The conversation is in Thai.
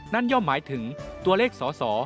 นั่นยอมหมายถึงตัวเลขสอ